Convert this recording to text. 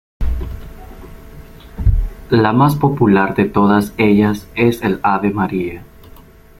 La más popular de todas ellas es el "Ave María".